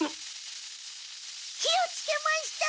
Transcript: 火をつけました！